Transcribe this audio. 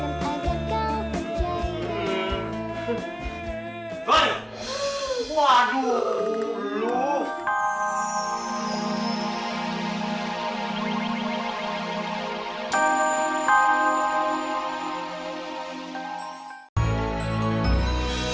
apa apa jelasin ada kau pencet deh